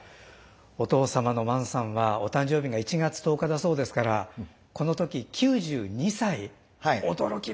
お父様の萬さんはお誕生日が１月１０日だそうですからこの時９２歳。